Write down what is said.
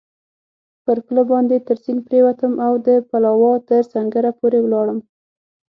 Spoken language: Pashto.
پر پله باندې تر سیند پورېوتم او د پلاوا تر سنګره پورې ولاړم.